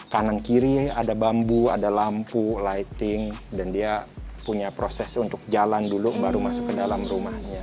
kanan kiri ada bambu ada lampu lighting dan dia punya proses untuk jalan dulu baru masuk ke dalam rumahnya